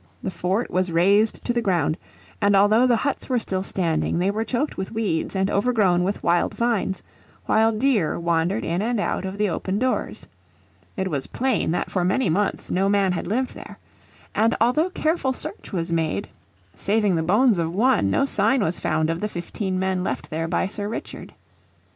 The fort was razed to the ground, and although the huts were still standing they were choked with weeds and overgrown with wild vines, while deer wandered in and out of the open doors. It was plain that for many months no man had lived there. And although careful search was made, saving the bones of one, no sign was found of the fifteen men left there by Sir Richard.